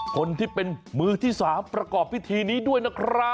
คนที่เป็นมือที่๓ประกอบพิธีนี้ด้วยนะครับ